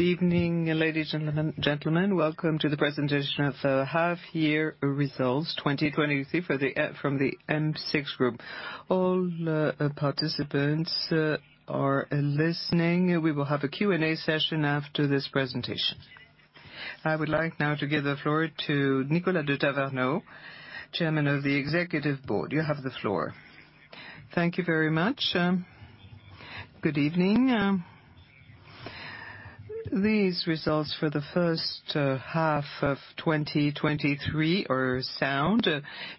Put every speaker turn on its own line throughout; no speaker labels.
Good evening, ladies and gentlemen. Welcome to the presentation of the half-year results 2023 from the M6 Group. All participants are listening. We will have a Q&A session after this presentation. I would like now to give the floor to Nicolas de Tavernost, Chairman of the Executive Board. You have the floor.
Thank you very much. Good evening. These results for the first half of 2023 are sound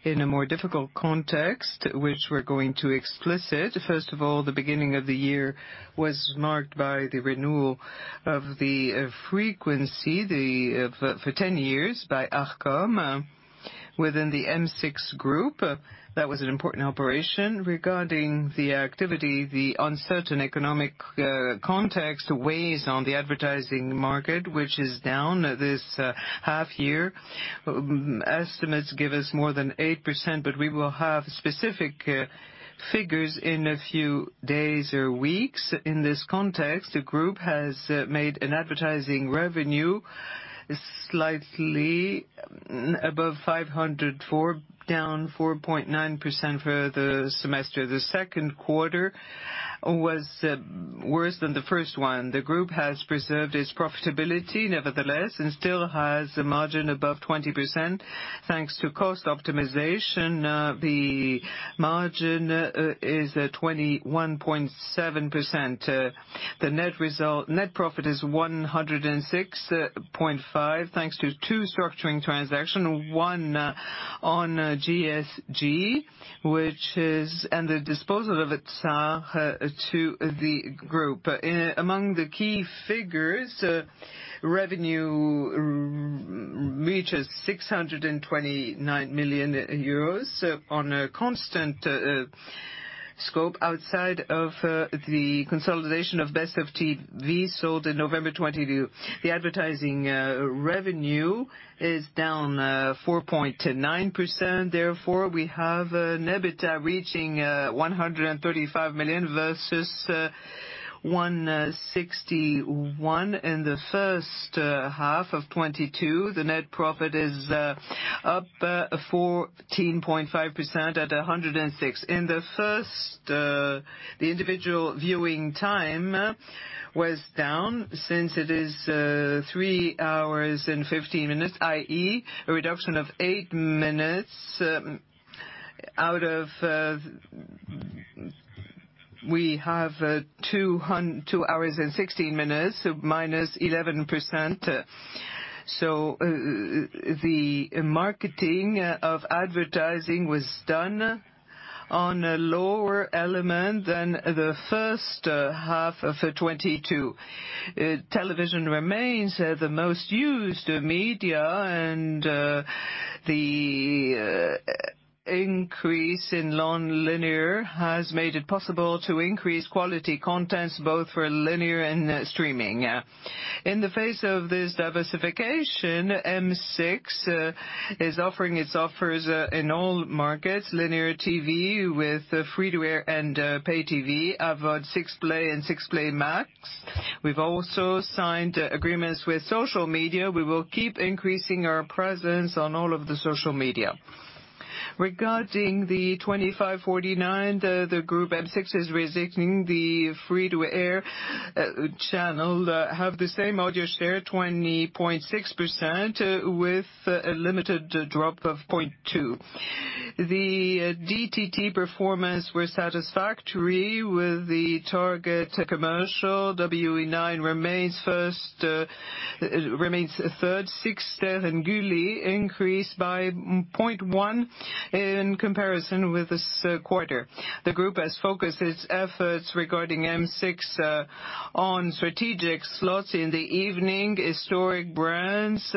in a more difficult context, which we're going to explicit. First of all, the beginning of the year was marked by the renewal of the frequency for 10 years by Arcom, within the M6 Group. That was an important operation. Regarding the activity, the uncertain economic context weighs on the advertising market, which is down this half year. Estimates give us more than 8%, but we will have specific figures in a few days or weeks. In this context, the group has made an advertising revenue slightly above 504 million, down 4.9% for the semester. The second quarter was worse than the first one. The group has preserved its profitability, nevertheless, and still has a margin above 20%, thanks to cost optimization. The margin is at 21.7%. The net profit is 106.5 million, thanks to two structuring transaction, one on GSG and the disposal of its to the group. Among the key figures, revenue reaches 629 million euros on a constant scope. Outside of the consolidation of Best of TV, sold in November 2022, the advertising revenue is down 4.9%. Therefore, we have EBITDA reaching 135 million versus 161 million in the first half of 2022. The net profit is up 14.5% at 106 million. In the first, the individual viewing time was down. Since it is 3 hours and 15 minutes, i.e. a reduction of 8 minutes. We have 2 hours and 16 minutes, minus 11%. The marketing of advertising was done on a lower element than the first half of 2022. Television remains the most used media, the increase in non-linear has made it possible to increase quality contents, both for linear and streaming. In the face of this diversification, M6 is offering its offers in all markets, linear TV with free-to-air and pay TV, AVOD 6play and 6play Max. We've also signed agreements with social media. We will keep increasing our presence on all of the social media. Regarding the 25-49, the M6 Group is resigning the free-to-air channel have the same audience share, 20.6%, with a limited drop of 0.2. The DTT performance were satisfactory with the target commercial. W9 remains first, remains third. 6ter and Gulli increased by 0.1 in comparison with this quarter. The group has focused its efforts regarding M6 on strategic slots in the evening. Historic brands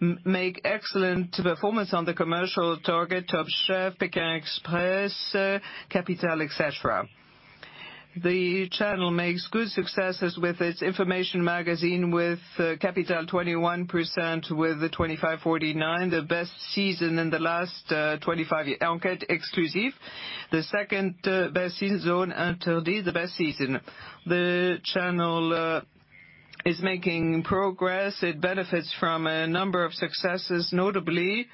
make excellent performance on the commercial target, Top Chef, Pékin Express, Capital, et cetera. The channel makes good successes with its information magazine, with Capital, 21%, with the 25-49, the best season in the last 25 years. Enquête Exclusive, the second best season, Zone Interdite, the best season. The channel is making progress. It benefits from a number of successes, notably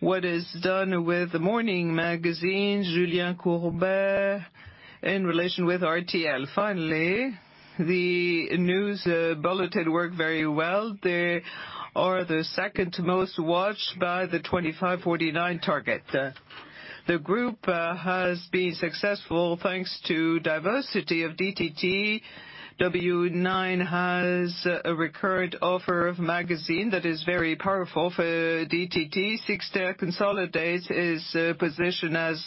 what is done with the morning magazine, Julien Courbet, in relation with RTL. The news bulletin worked very well. They are the second most watched by the 25-49 target. The group has been successful thanks to diversity of DTT. W9 has a recurrent offer of magazine that is very powerful for DTT. 6ter consolidates its position as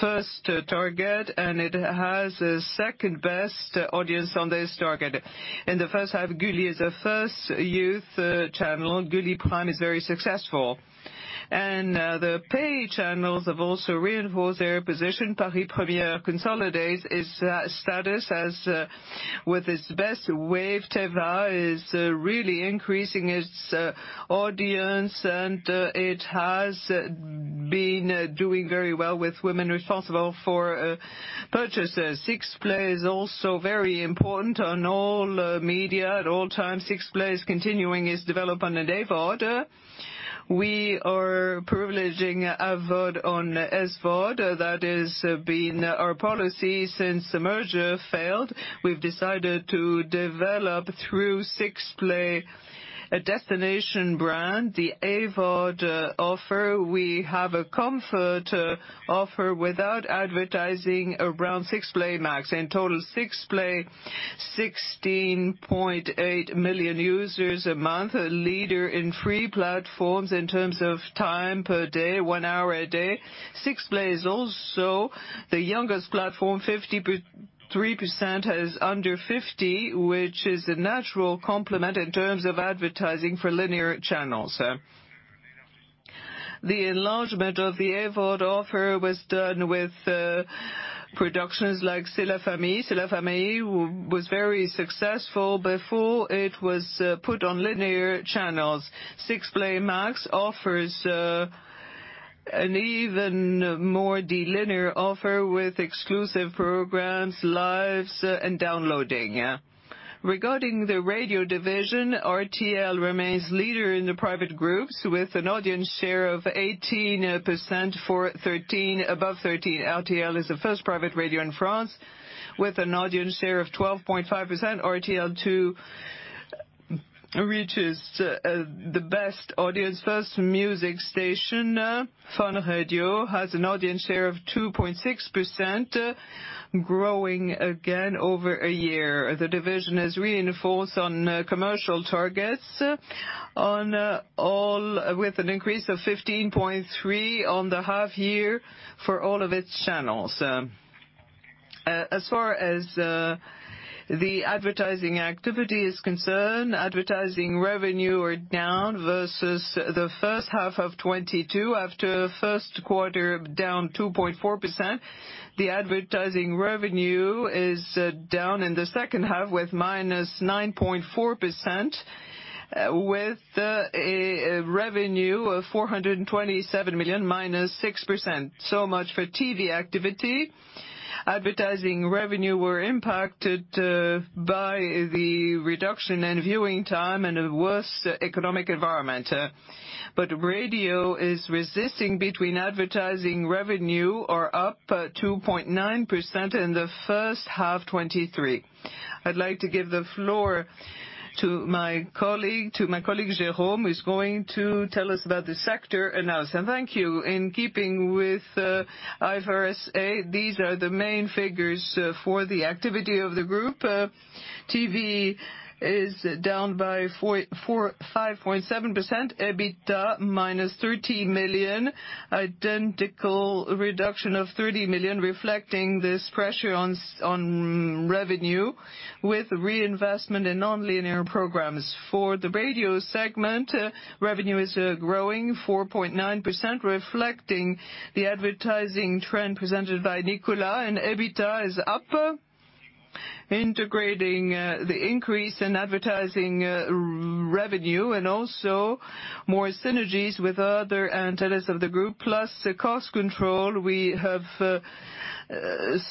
first target, and it has the second-best audience on this target. In the first half, Gulli is the first youth channel. Gulli Prime is very successful. The pay channels have also reinforced their position. Paris Première consolidates its status as with its best wave. Téva is really increasing its audience, and it has been doing very well with women responsible for purchases. 6play is also very important on all media at all times. 6play is continuing its development in AVOD. We are privileging AVOD on SVOD. That has been our policy since the merger failed. We've decided to develop through 6play, a destination brand, the AVOD offer. We have a comfort offer without advertising around 6play Max. In total, 6play, 16.8 million users a month, a leader in free platforms in terms of time per day, 1 hour a day. 6play is also the youngest platform, 53% is under 50, which is a natural complement in terms of advertising for linear channels. The enlargement of the AVOD offer was done with productions like C'est la famille. C'est la famille was very successful before it was put on linear channels. 6play Max offers an even more de-linear offer with exclusive programs, lives, and downloading. Regarding the radio division, RTL remains leader in the private groups, with an audience share of 18% for above 13. RTL is the first private radio in France. With an audience share of 12.5%, RTL2 reaches the best audience. First music station, Fun Radio, has an audience share of 2.6%, growing again over a year. The division has reinforced on commercial targets with an increase of 15.3% on the half year for all of its channels. As far as the advertising activity is concerned, advertising revenue are down versus the first half of 2022. After first quarter, down 2.4%, the advertising revenue is down in the second half with -9.4%, with a revenue of 427 million, -6%. Much for TV activity. Advertising revenue were impacted by the reduction in viewing time and a worse economic environment, but radio is resisting between advertising revenue are up 2.9% in the first half 2023. I'd like to give the floor to my colleague, Jérôme, who's going to tell us about the sector analysis. Thank you. In keeping with IFRS, these are the main figures for the activity of the group. TV is down by 5.7%, EBITDA minus 13 million, identical reduction of 30 million, reflecting this pressure on revenue with reinvestment in non-linear programs. For the radio segment, revenue is growing 4.9%, reflecting the advertising trend presented by Nicolas, and EBITDA is up, integrating the increase in advertising revenue and also more synergies with other antennas of the group, plus cost control we have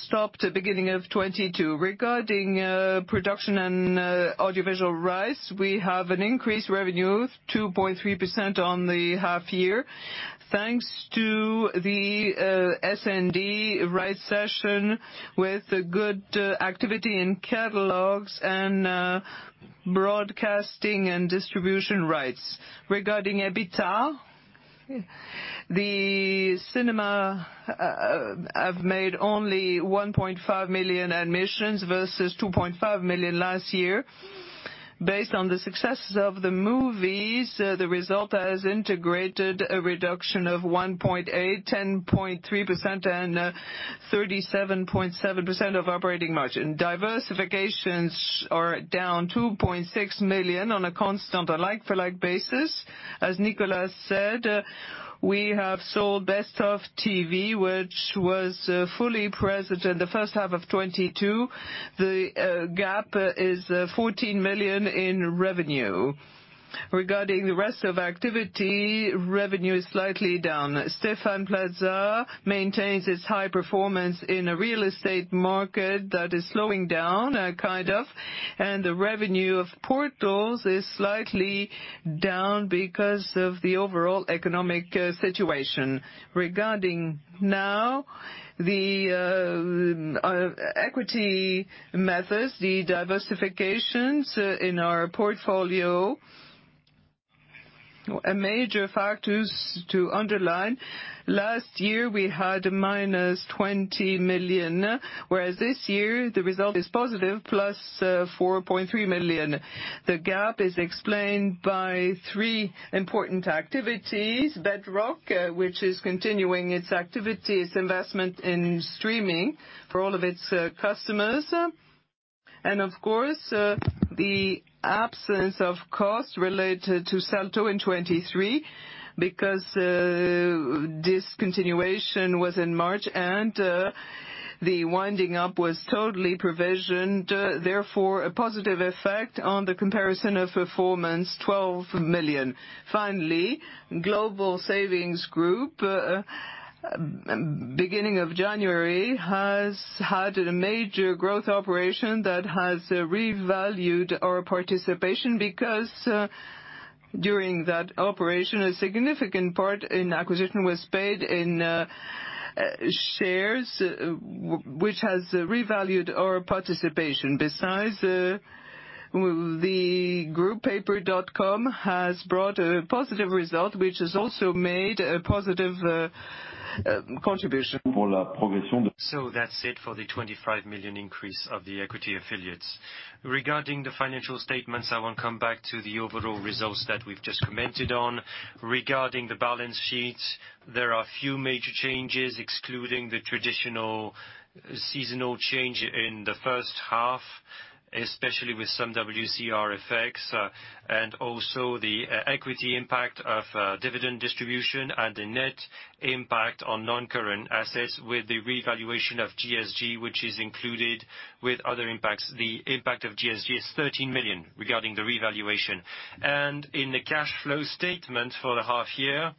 stopped at beginning of 2022. Regarding production and audiovisual rights, we have an increased revenue of 2.3% on the half year, thanks to the SND rights session, with a good activity in catalogs and broadcasting and distribution rights. Regarding EBITDA, the cinema have made only 1.5 million admissions versus 2.5 million last year. Based on the success of the movies, the result has integrated a reduction of 1.8%, 10.3%, and 37.7% of operating margin. Diversifications are down 2.6 million on a constant, a like-for-like basis. As Nicolas said, we have sold Best of TV, which was fully present in the first half of 2022. The gap is 14 million in revenue. Regarding the rest of activity, revenue is slightly down. Stéphane Plaza maintains its high performance in a real estate market that is slowing down, kind of, the revenue of portals is slightly down because of the overall economic situation. Regarding now the equity methods, the diversifications in our portfolio, a major factors to underline: last year, we had a minus 20 million, whereas this year, the result is positive, plus 4.3 million. The gap is explained by three important activities. Bedrock, which is continuing its activities, investment in streaming for all of its customers. Of course, the absence of costs related to Salto in 2023, because this continuation was in March. The winding up was totally provisioned, therefore, a positive effect on the comparison of performance, 12 million. Finally, Global Savings Group, beginning of January, has had a major growth operation that has revalued our participation, because during that operation, a significant part in acquisition was paid in shares, which has revalued our participation. Besides, the group Pepper.com has brought a positive result, which has also made a positive contribution.
That's it for the 25 million increase of the equity affiliates. Regarding the financial statements, I will come back to the overall results that we've just commented on. Regarding the balance sheets, there are a few major changes, excluding the traditional seasonal change in the first half, especially with some WCR effects, and also the equity impact of dividend distribution and the net impact on non-current assets with the revaluation of GSG, which is included with other impacts. The impact of GSG is 13 million regarding the revaluation. In the cash flow statement for the half year,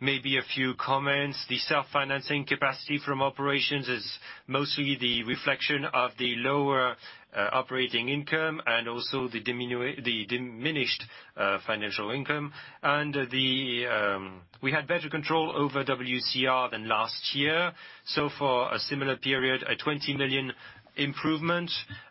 maybe a few comments. The self-financing capacity from operations is mostly the reflection of the lower operating income and also the diminished financial income. Then, we had better control over WCR than last year. For a similar period, a 20 million improvement,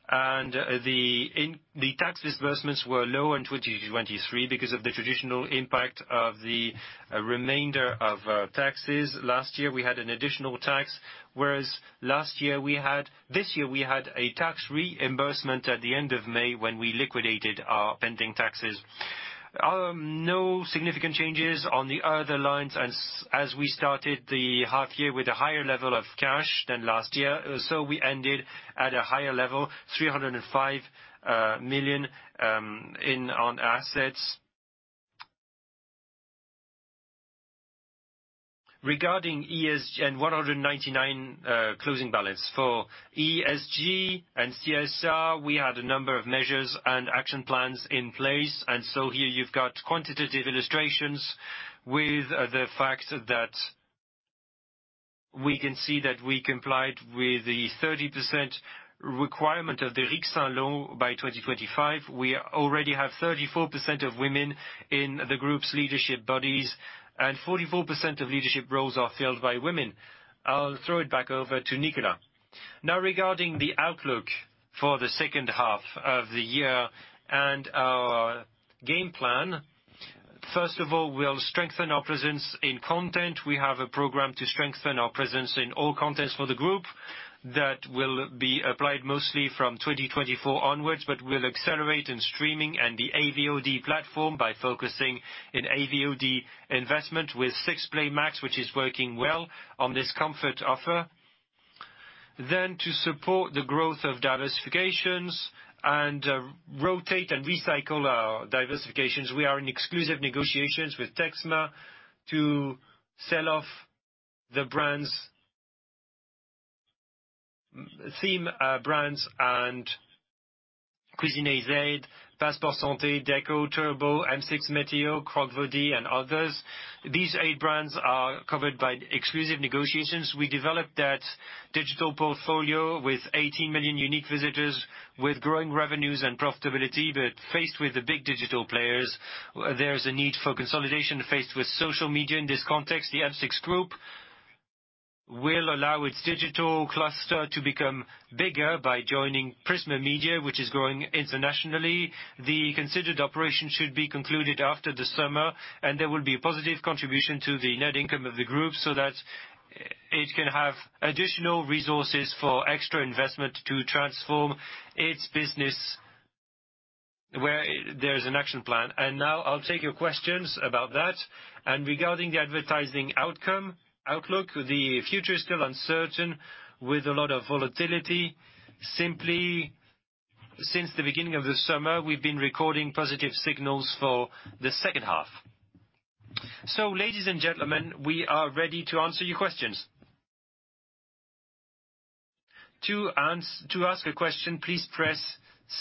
and the tax disbursements were low in 2023 because of the traditional impact of the remainder of taxes. Last year, we had an additional tax, whereas this year, we had a tax reimbursement at the end of May when we liquidated our pending taxes. No significant changes on the other lines, as we started the half year with a higher level of cash than last year. We ended at a higher level, 305 million in on assets. Regarding ESG and 199 closing balance. For ESG and CSR, we had a number of measures and action plans in place. Here you've got quantitative illustrations with the fact that we can see that we complied with the 30% requirement of the Loi Rixain by 2025. We already have 34% of women in the group's leadership bodies, and 44% of leadership roles are filled by women. I'll throw it back over to Nicolas.
Regarding the outlook for the second half of the year and our game plan, first of all, we'll strengthen our presence in content. We have a program to strengthen our presence in all contents for the group that will be applied mostly from 2024 onwards, but we'll accelerate in streaming and the AVOD platform by focusing in AVOD investment with 6play Max, which is working well on this comfort offer. To support the growth of diversifications and rotate and recycle our diversifications, we are in exclusive negotiations with Prisma Media to sell off the brands, theme brands and Cuisine AZ, Passeport Santé, Déco, Turbo, M6 Météo, Croq'Body, and others. These eight brands are covered by exclusive negotiations. We developed that digital portfolio with 18 million unique visitors, with growing revenues and profitability. Faced with the big digital players, there is a need for consolidation. Faced with social media in this context, the M6 Group will allow its digital cluster to become bigger by joining Prisma Media, which is growing internationally. The considered operation should be concluded after the summer, and there will be a positive contribution to the net income of the group, so that it can have additional resources for extra investment to transform its business, where there is an action plan. Now I'll take your questions about that. Regarding the advertising outcome, outlook, the future is still uncertain, with a lot of volatility. Since the beginning of the summer, we've been recording positive signals for the second half.
Ladies and gentlemen, we are ready to answer your questions. To ask a question, please press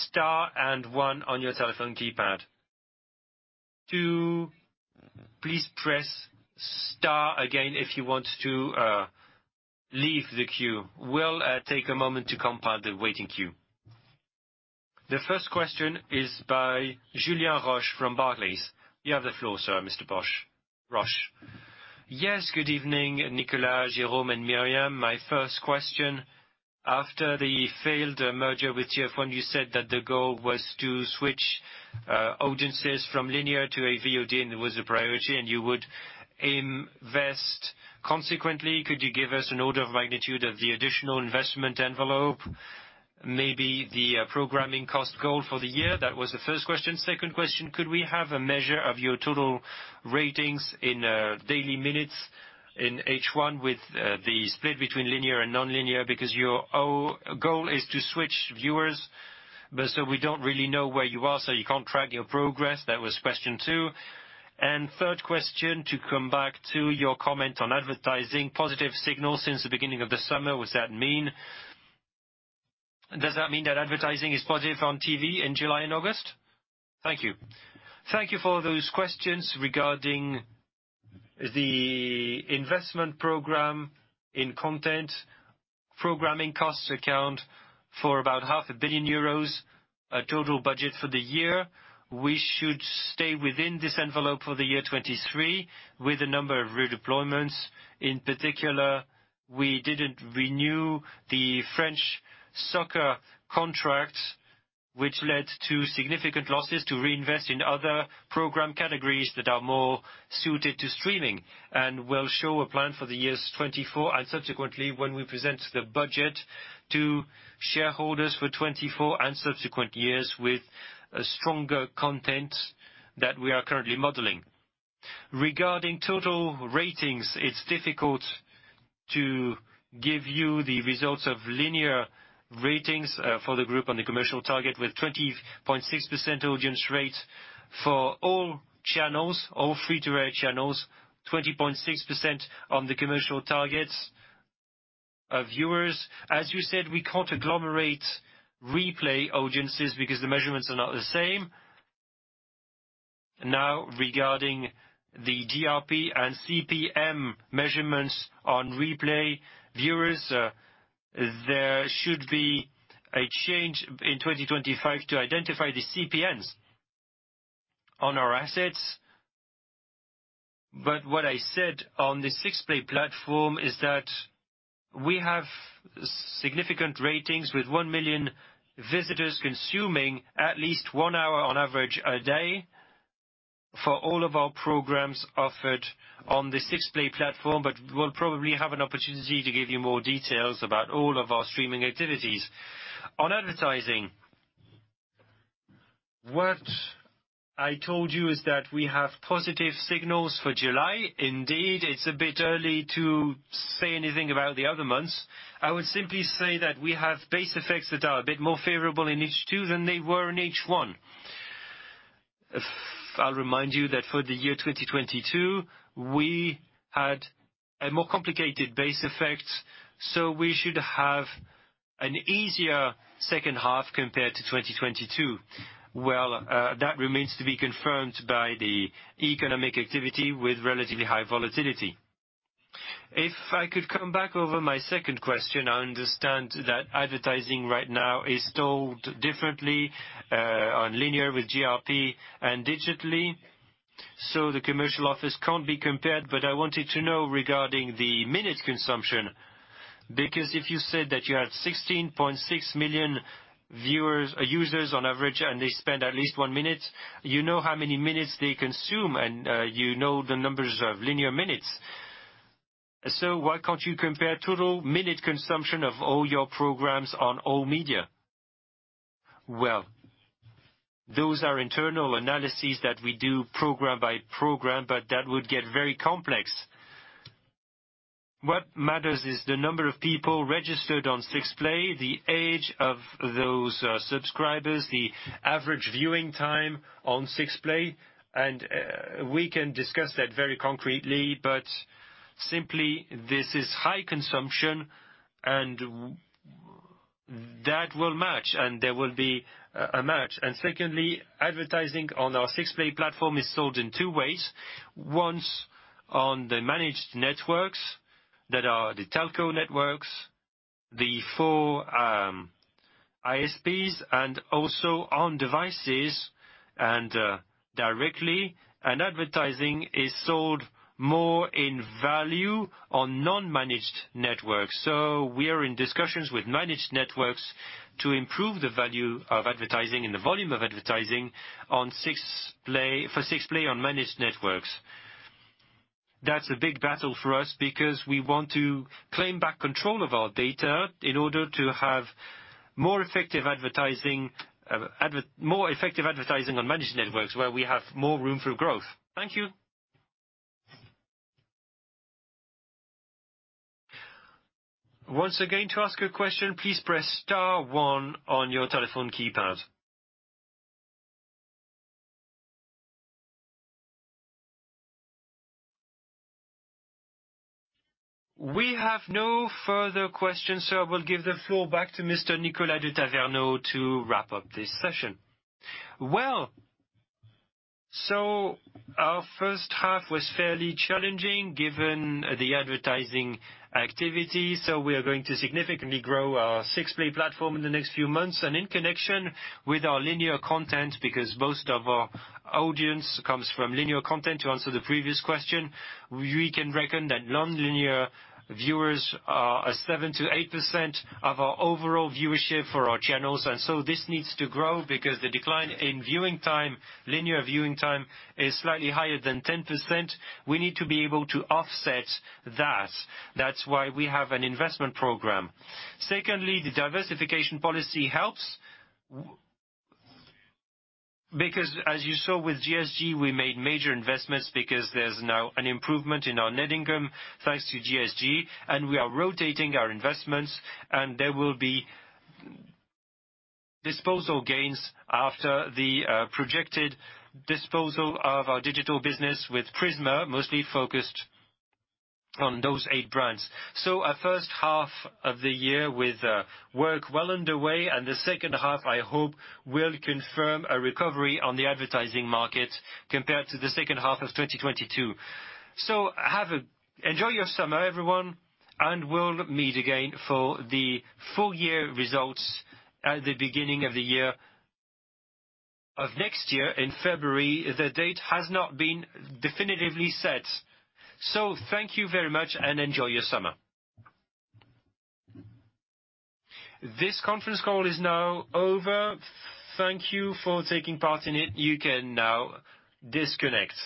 star and one on your telephone keypad. Two, please press star again if you want to leave the queue. We'll take a moment to compile the waiting queue.
The first question is by Julien Roch from Barclays. You have the floor, sir, Mr. Roch.
Yes, good evening, Nicolas, Jérôme, and Myriam. My first question, after the failed merger with TF1, you said that the goal was to switch audiences from linear to AVOD, and it was a priority, and you would invest consequently. Could you give us an order of magnitude of the additional investment envelope, maybe the programming cost goal for the year? That was the first question. Second question, could we have a measure of your total ratings in daily minutes in H1 with the split between linear and nonlinear? Your goal is to switch viewers, but so we don't really know where you are, so you can't track your progress. That was question two. Third question, to come back to your comment on advertising, positive signal since the beginning of the summer, what's that mean? Does that mean that advertising is positive on TV in July and August? Thank you.
Thank you for those questions regarding the investment program in content. Programming costs account for about half a billion EUR, a total budget for the year. We should stay within this envelope for the year 2023, with a number of redeployments. In particular, we didn't renew the French soccer contract, which led to significant losses to reinvest in other program categories that are more suited to streaming. We'll show a plan for the years 2024 and subsequently, when we present the budget to shareholders for 2024 and subsequent years, with a stronger content that we are currently modeling. Regarding total ratings, it's difficult to give you the results of linear ratings for the group on the commercial target, with 20.6% audience rate for all channels, all free-to-air channels, 20.6% on the commercial targets, viewers. As you said, we can't agglomerate replay audiences because the measurements are not the same. Regarding the GRP and CPM measurements on replay viewers, there should be a change in 2025 to identify the CPMs on our assets. What I said on the 6play platform is that we have significant ratings, with 1 million visitors consuming at least 1 hour on average a day, for all of our programs offered on the 6play platform. We'll probably have an opportunity to give you more details about all of our streaming activities. On advertising, what I told you is that we have positive signals for July. Indeed, it's a bit early to say anything about the other months. I would simply say that we have base effects that are a bit more favorable in H2 than they were in H1. I'll remind you that for the year 2022, we had a more complicated base effect, we should have an easier second half compared to 2022. Well, that remains to be confirmed by the economic activity with relatively high volatility.
If I could come back over my second question, I understand that advertising right now is sold differently on linear with GRP and digitally, the commercial office can't be compared. I wanted to know regarding the minute consumption, because if you said that you had 16.6 million viewers, users on average, and they spend at least one minute, you know how many minutes they consume, and you know the numbers of linear minutes. Why can't you compare total minute consumption of all your programs on all media?
Those are internal analyses that we do program by program, but that would get very complex. What matters is the number of people registered on 6play, the age of those subscribers, the average viewing time on 6play, and we can discuss that very concretely, but simply, this is high consumption, and that will match, and there will be a match. Secondly, advertising on our 6play platform is sold in two ways: once on the managed networks that are the telco networks, the four ISPs, and also on devices and directly. Advertising is sold more in value on non-managed networks. We are in discussions with managed networks to improve the value of advertising and the volume of advertising on 6play, for 6play on managed networks That's a big battle for us because we want to claim back control of our data in order to have more effective advertising, more effective advertising on managed networks, where we have more room for growth.
Thank you.
Once again, to ask a question, please press star one on your telephone keypad. We have no further questions. I will give the floor back to Mr. Nicolas de Tavernost to wrap up this session.
Well, our first half was fairly challenging given the advertising activity. We are going to significantly grow our 6play platform in the next few months. In connection with our linear content, because most of our audience comes from linear content, to answer the previous question, we can reckon that non-linear viewers are 7%-8% of our overall viewership for our channels. This needs to grow because the decline in viewing time, linear viewing time, is slightly higher than 10%. We need to be able to offset that. That's why we have an investment program. Secondly, the diversification policy helps because as you saw with GSG, we made major investments because there's now an improvement in our net income, thanks to GSG, and we are rotating our investments. There will be disposal gains after the projected disposal of our digital business with Prisma, mostly focused on those eight brands. A first half of the year with work well underway, and the second half, I hope will confirm a recovery on the advertising market compared to the second half of 2022. Have enjoy your summer, everyone. We'll meet again for the full year results at the beginning of the year, of next year in February. The date has not been definitively set. Thank you very much. Enjoy your summer.
This conference call is now over. Thank you for taking part in it. You can now disconnect.